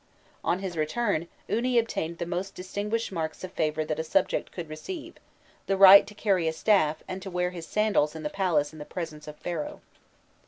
On his return, Uni obtained the most distinguished marks of favour that a subject could receive, the right to carry a staff and to wear his sandals in the palace in the presence of Pharaoh.